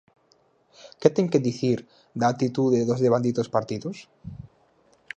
Que ten que dicir da actitude dos devanditos partidos?